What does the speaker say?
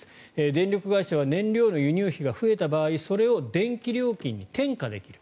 電力会社は燃料の輸入費が増えた場合それを電気料金に転嫁できる。